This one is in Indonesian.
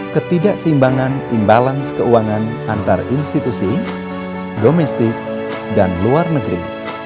ketidakseimbangan imbalance keuangan antar institusi domestik dan luar negeri